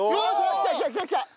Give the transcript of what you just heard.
きたきたきたきた！